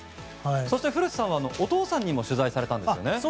そして、古田さんはお父さんに取材されたんですね。